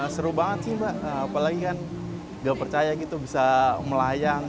seru banget sih mbak apalagi kan gak percaya gitu bisa melayang